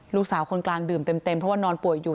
ลูกสาวคนกลางดื่มเต็มเพราะว่านอนป่วยอยู่